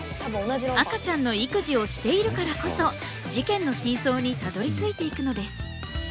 赤ちゃんの育児をしているからこそ事件の真相にたどりついていくのです。